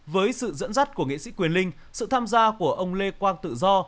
với sự dẫn dắt của nghệ sĩ quyền linh sự tham gia của ông lê quang tự do